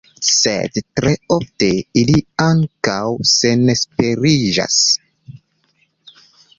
Sed tre ofte ili ankaŭ senesperiĝas.